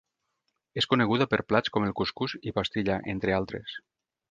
És coneguda per plats com el cuscús i pastilla, entre altres.